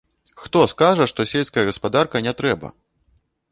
Хто скажа, што сельская гаспадарка не трэба?!